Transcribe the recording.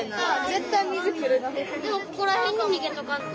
ここら辺に逃げとかんと。